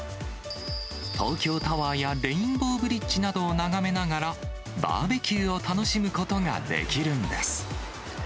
東京タワーやレインボーブリッジなどを眺めながら、バーベキューを楽しむことができるんです。